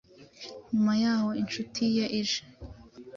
nyuma y’aho inshuti ye ije